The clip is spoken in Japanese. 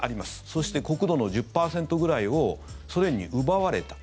そして、国土の１０％ぐらいをソ連に奪われた。